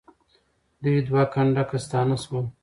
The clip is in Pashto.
دوی دوه کنډکه ستانه سول.